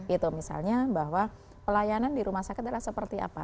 itu misalnya bahwa pelayanan di rumah sakit adalah seperti apa